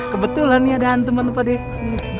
kebetulan nih ada antum tiga tiga